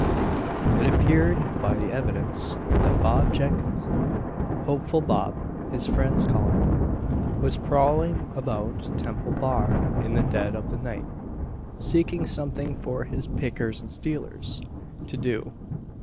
It appeared by the evidence, that Bob Jenkinson hopeful Bob, his friends call him; was prowling about Temple Bar in the dead of the night, seeking something for his "pickers and stealers" to do.